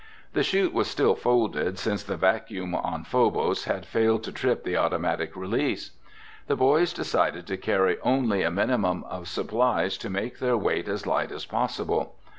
The chute was still folded, since the vacuum on Phobos had failed to trip the automatic release. The boys decided to carry only a minimum of supplies to make their weight as light as possible.